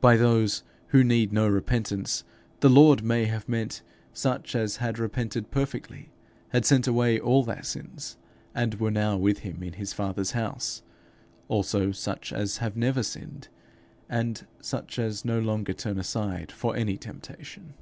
By those 'who need no repentance,' the Lord may have meant such as had repented perfectly, had sent away all their sins, and were now with him in his Father's house; also such as have never sinned, and such as no longer turn aside for any temptation.